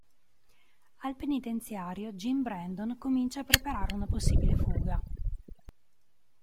Al penitenziario, Jim Brandon comincia a preparare una possibile fuga.